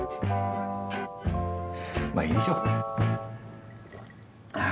まあいいでしょう！